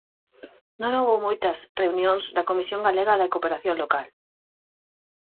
Non houbo moitas reunións da Comisión Galega de Cooperación Local.